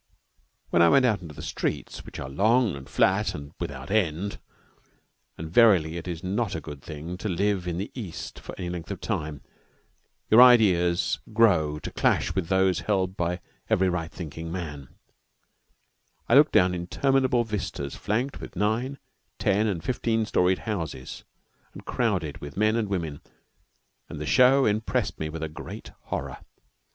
Then I went out into the streets, which are long and flat and without end. And verily it is not a good thing to live in the East for any length of time. Your ideas grow to clash with those held by every right thinking man. I looked down interminable vistas flanked with nine, ten, and fifteen storied houses, and crowded with men and women, and the show impressed me with a great horror.